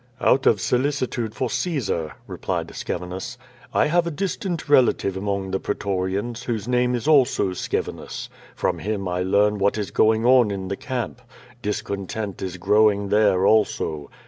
"Out of solicitude for Caesar,'* replied Scevinus. "I have a distant relative among the pretorians, whose name is also Scevinus; from him I learn what is going on in the camp. Discontent is growing there also.